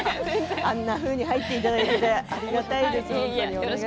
あんなふうに入っていただいてありがたいです。